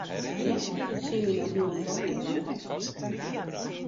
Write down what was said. Dêr stiet it sin my no hielendal net nei.